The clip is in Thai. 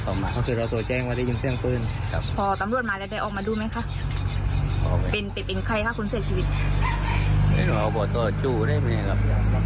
พอตำรวจมาได้ออกมาดูไหมคะปิดปิดปิดใครคะคุณเศรษฐ์ชีวิต